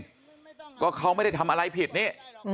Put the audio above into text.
ก็เขาไม่ได้ทำอะไรผิดนี่